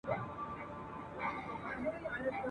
ستا خو به هېر یمه خو زه دي هېرولای نه سم !.